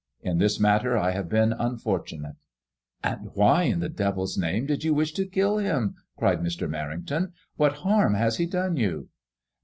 In this matter I have been unfortunate." And why in the devil's name did you wish to kill him 7 " cried Mr, Merrington. " What harm has he done you